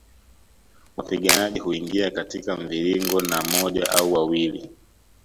Wapiganaji huingia katika mviringo na moja au wawili